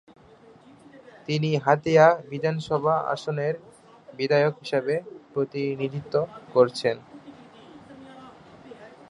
তিনি হাতিয়া বিধানসভা আসনের বিধায়ক হিসাবে প্রতিনিধিত্ব করেছেন।